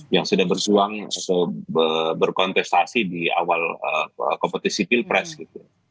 yang sudah bersuang berkontestasi di awal kompetisi pilpres gitu